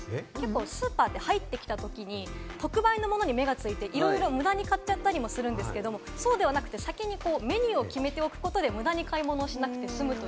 スーパーって、入ってきたときに特売のものに目がついて、いろいろ無駄に買っちゃったりするけど、そうではなくて先にメニューを決めておくことで、無駄に買い物をしなくて済む。